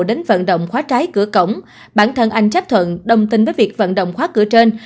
đến vận động khóa trái cửa cổng bản thân anh chấp thuận đồng tình với việc vận động khóa cửa trên